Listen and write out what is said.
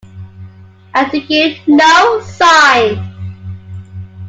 And to give no sign!